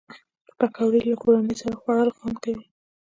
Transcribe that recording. پکورې له کورنۍ سره خوړل خوند لري